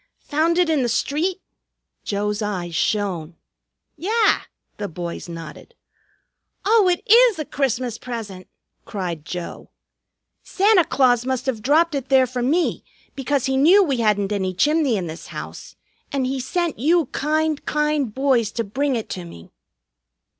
"Found it in the street?" Joe's eyes shone. "Yah!" the boys nodded. "Oh, it is a Christmas present!" cried Joe. "Santa Claus must have dropped it there for me, because he knew we hadn't any chimney in this house, and he sent you kind, kind boys to bring it to me."